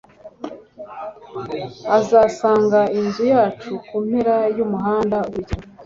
uzasanga inzu yacu kumpera yumuhanda ukurikira